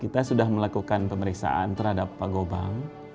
kita sudah melakukan pemeriksaan terhadap pak gobang